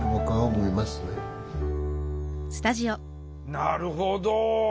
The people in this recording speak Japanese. なるほど。